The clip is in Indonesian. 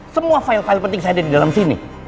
semua file file penting saya ada di dalam sini